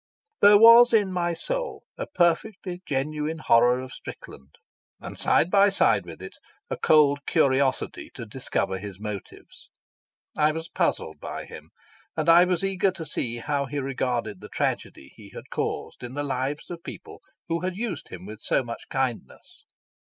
There was in my soul a perfectly genuine horror of Strickland, and side by side with it a cold curiosity to discover his motives. I was puzzled by him, and I was eager to see how he regarded the tragedy he had caused in the lives of people who had used him with so much kindness.